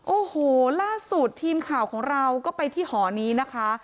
โอ้โหล่าสุดทีมข่าวของเราก็ไปที่หอนี้นะคะ